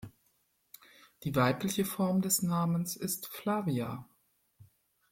Die weibliche Form des Namens ist Flavia.